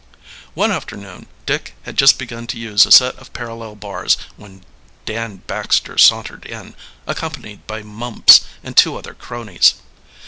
One afternoon Dick had just begun to use a set of parallel bars when Dan Baxter sauntered in, accompanied by Mumps and two other cronies.